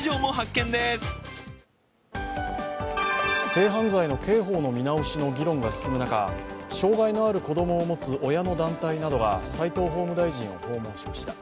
性犯罪の刑法の見直しの議論が進む中、障害のある子供を持つ親の団体などは齋藤法務大臣を訪問しました。